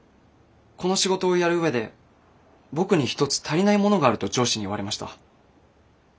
この仕事をやる上で僕に一つ足りないものがあると上司に言われました。